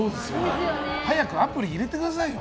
早くアプリ入れてくださいよ！